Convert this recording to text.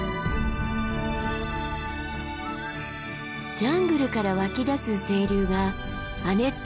ジャングルから湧き出す清流が亜熱帯の生き物を育む